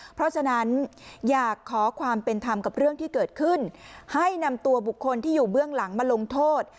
เพราะฉะนั้นอยากขอความเป็นธรรมกับเรื่องที่เกิดขึ้นให้นำตัวบุคคลที่อยู่เบื้องหลังมาลงโทษ